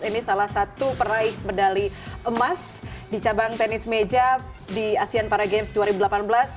ini salah satu peraih medali emas di cabang tenis meja di asean para games dua ribu delapan belas